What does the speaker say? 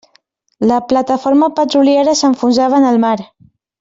La plataforma petroliera s'enfonsava en el mar.